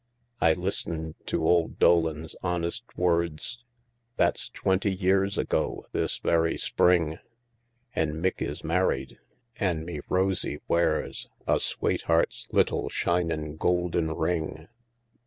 I listened to ould Dolan's honest words, That's twenty years ago this very spring, An' Mick is married an' me Rosie wears A swateheart's little, shinin' goulden ring.